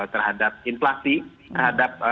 terhadap inflasi terhadap